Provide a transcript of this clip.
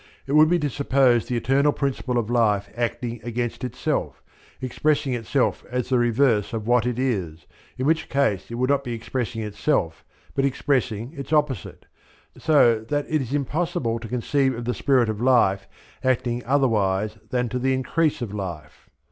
It would be to suppose the Eternal Principle of Life acting against itself, expressing itself as the reverse of what it is, in which case it would not be expressing itself but expressing its opposite; so that it is impossible to conceive of the Spirit of Life acting otherwise than to the increase of life.